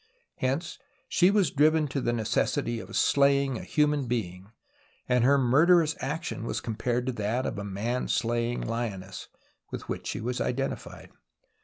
Hence, she was driven to the necessity of slaying a jiuman being, and her murderous action Avas compared to that of a man slaying lioness, with which she was identified.